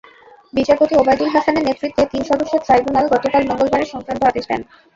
বিচারপতি ওবায়দুল হাসানের নেতৃত্বে তিন সদস্যের ট্রাইব্যুনাল গতকাল মঙ্গলবার এ-সংক্রান্ত আদেশ দেন।